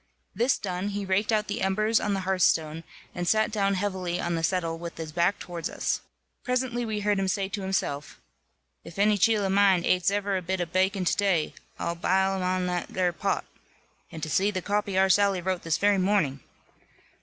This done, he raked out the embers on the hearthstone, and sat down heavily on the settle with his back towards us. Presently we heard him say to himself, "If any cheel of mine ates ever a bit of bakkon to day, I'll bile him in that there pot. And to zee the copy our Sally wrote this very morning!"